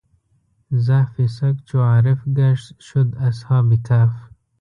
زحف سګ چو عارف ګشت شد اصحاب کهف.